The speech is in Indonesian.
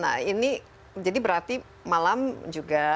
nah ini jadi berarti malam juga